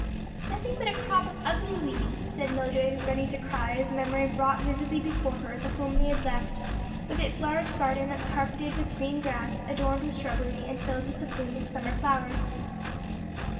"Nothing but a crop of ugly weeds," said Mildred, ready to cry as memory brought vividly before her the home they had left with its large garden carpeted with green grass, adorned with shrubbery and filled with the bloom of summer flowers.